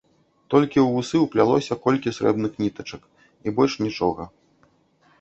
Толькі ў вусы ўплялося колькі срэбных нітачак, і больш нічога.